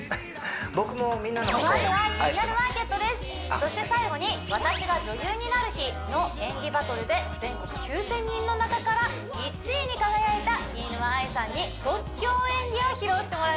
そして最後に「私が女優になる日」の演技バトルで全国９０００人の中から１位に輝いた飯沼愛さんに即興演技を披露してもらいますよ